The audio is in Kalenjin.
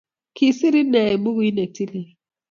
Kisiir ine eng bukuit ne tilil